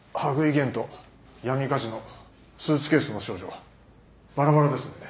玄斗闇カジノスーツケースの少女バラバラですね。